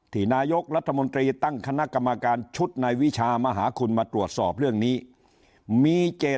ที่นายกรัฐมนตรีตั้งคณะกรรมการชุดในวิชามหาคุณมาตรวจสอบเรื่องนี้มีเจต